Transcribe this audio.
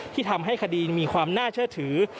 ที่ทำให้คดีมีความน่าเชื่อถือ